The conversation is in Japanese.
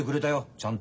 ちゃんと。